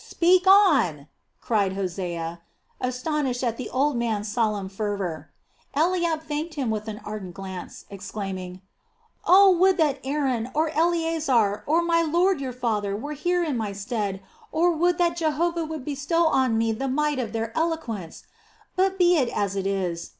"Speak on!" cried Hosea, astonished at the old man's solemn fervor. Eliab thanked him with an ardent glance, exclaiming: "Oh, would that Aaron, or Eleasar, or my lord your father were here in my stead, or would that Jehovah would bestow on me the might of their eloquence! But be it as it is!